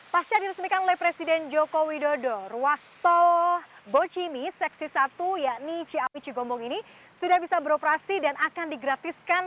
pasca diresmikan oleh presiden joko widodo ruas tol bocimi seksi satu yakni ciawi cigombong ini sudah bisa beroperasi dan akan digratiskan